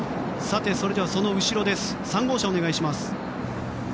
それでは、その後ろ３号車、お願いします。